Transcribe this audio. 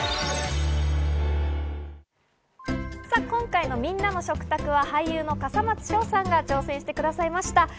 今回のみんなの食卓は俳優の笠松将さんが挑戦してくださいました。